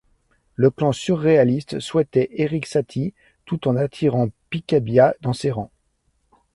Le clan surréaliste souhaitait Erik Satie, tout en attirant Picabia dans ses rangs.